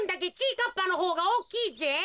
かっぱのほうがおおきいぜ。